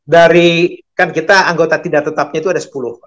dari kan kita anggota tidak tetapnya itu ada sepuluh